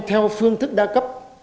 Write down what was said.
theo phương thức đa cấp